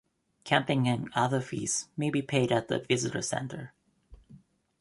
Camping and other fees may be paid at the visitor centre.